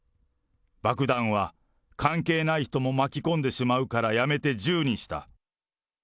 爆弾は、関係ない人も巻き込んでしまうからやめて銃にした。